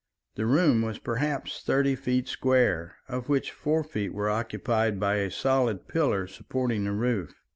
The room was perhaps thirty feet square, of which four feet were occupied by a solid pillar supporting the roof.